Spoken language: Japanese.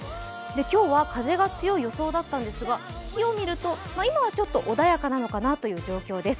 今日は風が強い予想だったんですが、木を見ると今は穏やかなのかなという感じです。